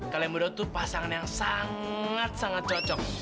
kalemburuh tuh pasangan yang sangat sangat cocok